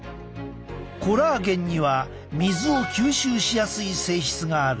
コラーゲンには水を吸収しやすい性質がある。